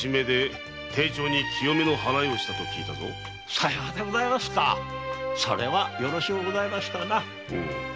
さようでございますかそれはよろしゅうございましたな。